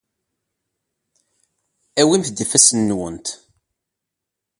Awimt-d ifassen-nwent.